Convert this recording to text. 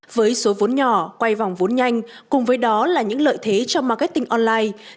với số vốn nhỏ quay vòng vốn nhanh cùng với đó là những lợi thế cho marketing online